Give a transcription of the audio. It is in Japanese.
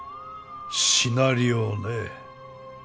シナリオね。